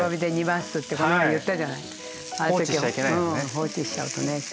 放置しちゃうとね。